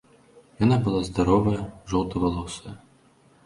Яна была здаровая, жоўтавалосая.